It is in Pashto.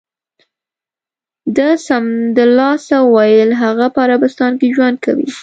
ده سمدلاسه و ویل: هغه په عربستان کې ژوند کوي.